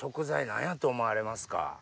何やと思われますか？